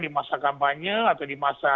di masa kampanye atau di masa